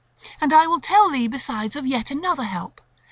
And I will tell thee besides of yet another help.